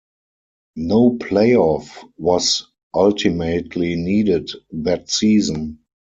No play-off was ultimately needed that season.